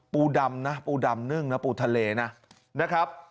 ปูดำนะปูดำนึ่งนะปูทะเลนะครับ